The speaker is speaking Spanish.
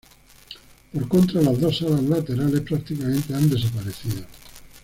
Por contra, las dos salas laterales prácticamente han desaparecido.